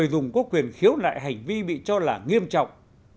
đừng khiếu lại hành vi bị cho là nghiêm trọng